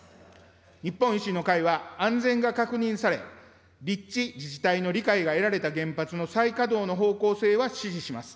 日本維新の会は安全が確認され、立地自治体の理解が得られた原発の再稼働の方向性は支持します。